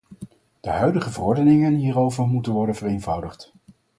De huidige verordeningen hierover moeten worden vereenvoudigd.